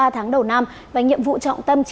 ba tháng đầu năm và nhiệm vụ trọng tâm